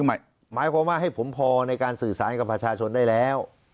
หมายความว่าให้ผมพอในการสื่อสารกับประชาชนได้แล้ว